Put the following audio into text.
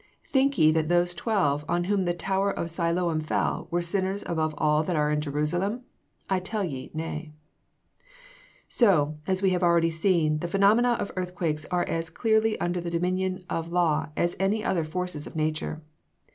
"Think ye that those twelve on whom the tower of Siloam fell were sinners above all that are in Jerusalem? I tell you nay." So, as we have already seen, the phenomena of earthquakes are as clearly under the domination of law as any other forces of nature.